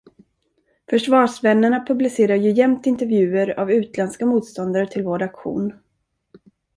Försvarsvännerna publicerar ju jämt intervjuer av utländska motståndare till vår aktion.